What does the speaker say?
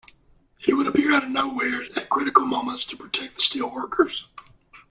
He would appear out of nowhere at critical moments to protect the steel workers.